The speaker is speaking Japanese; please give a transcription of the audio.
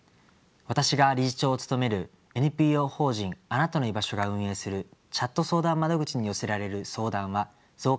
私が理事長を務めるＮＰＯ法人あなたのいばしょが運営するチャット相談窓口に寄せられる相談は増加の一途をたどっています。